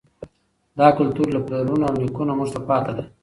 دا کلتور له پلرونو او نیکونو موږ ته پاتې دی.